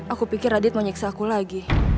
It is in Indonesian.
aku pikir radit mau nyiksa aku lagi